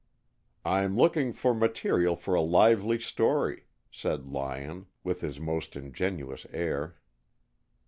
"I'm looking for material for a lively story," said Lyon, with his most ingenuous air.